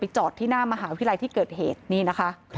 จอดที่หน้ามหาวิทยาลัยที่เกิดเหตุนี่นะคะ